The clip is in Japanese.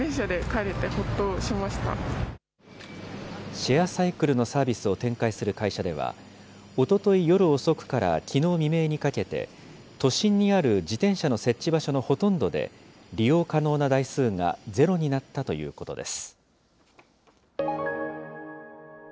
シェアサイクルのサービスを展開する会社では、おととい夜遅くからきのう未明にかけて、都心にある自転車の設置場所のほとんどで利用可能な台数が０になったということです。